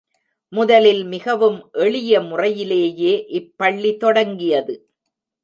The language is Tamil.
முதலில் மிகவும் எளிய முறையிலேயே இப் பள்ளி தொடங்கியது.